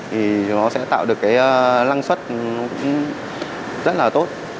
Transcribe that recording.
thì nó sẽ tạo được cái lăng xuất rất là tốt